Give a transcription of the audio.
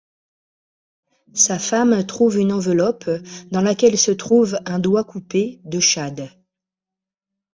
Sa femme trouve une enveloppe dans laquelle se trouve un doigt coupé de Chad.